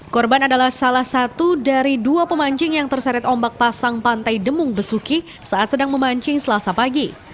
korban adalah salah satu dari dua pemancing yang terseret ombak pasang pantai demung besuki saat sedang memancing selasa pagi